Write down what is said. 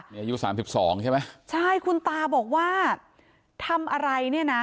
มีอายุ๓๒ใช่ไหมใช่คุณตาบอกว่าทำอะไรเนี่ยนะ